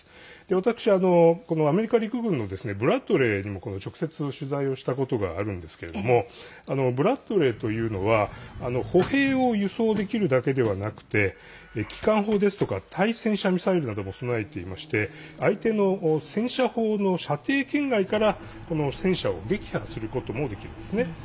私、アメリカ陸軍のブラッドレーに直接、取材をしたことがあるんですけれどもブラッドレーというのは歩兵を輸送できるだけではなくて機関砲ですとか対戦車ミサイルなども備えていまして相手の戦車砲の射程圏外からこの戦車を撃破することもできるんですね。